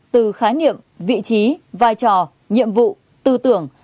từ khái niệm vị trí vai trò nhiệm vụ tư tưởng